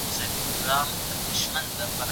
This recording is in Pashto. ستونزې په مستقیم ډول راپور کړئ.